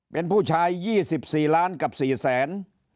เป็นผู้ชายยี่สิบสี่ล้านกับสี่แสน